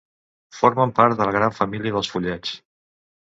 Formen part de la gran família dels follets.